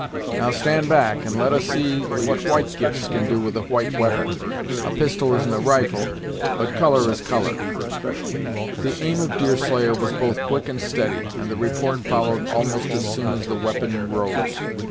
Now, stand back and let us see what white gifts can do with a white we'pon. A pistol isn't a rifle, but colour is colour." The aim of Deerslayer was both quick and steady, and the report followed almost as soon as the weapon rose.